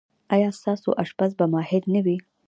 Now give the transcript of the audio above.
ایا ستاسو اشپز به ماهر نه وي؟